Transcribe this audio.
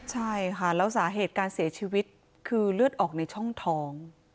ใช่ค่ะแล้วสาเหตุการเสียชีวิตคือเลือดออกในช่องท้อง